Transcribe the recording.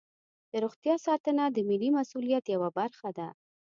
د روغتیا ساتنه د ملي مسؤلیت یوه برخه ده.